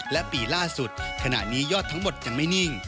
และปีล่าสุดขณะนี้ยอดทั้งหมดยังไม่นิ่ง